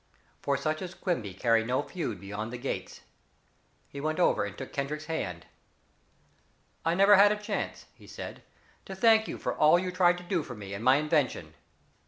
For such as Quimby carry no feud beyond the gates. He went over and took Kendrick's hand. "I never had a chance," he said, "to thank you for all you tried to do for me and my invention."